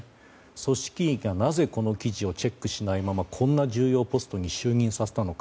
組織委がなぜこの記事をチェックしないままこんな重要ポストに就任させたのか。